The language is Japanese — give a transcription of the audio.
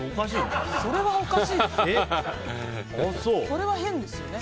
それはおかしいですよね。